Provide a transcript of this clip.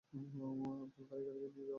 আবদুল, গাড়ি গ্যারেজে নিয়ে যাও।